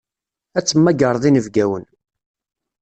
Ad temmagreḍ inebgawen.